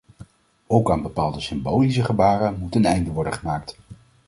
Ook aan bepaalde symbolische gebaren moet een einde worden gemaakt.